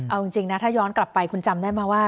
เอาจริงนะถ้าย้อนกลับไปคุณจำได้ไหมว่า